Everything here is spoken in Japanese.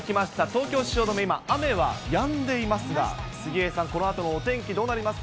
東京・汐留、今、雨はやんでいますが、杉江さん、このあとのお天